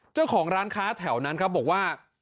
เจ้าของร้านค้าแถวนั้นครับบอกว่า